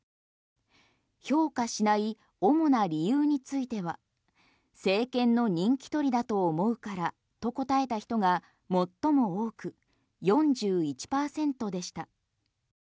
評価しない主な理由については政権の人気取りだと思うからと答えた人が最も多く４１％でした。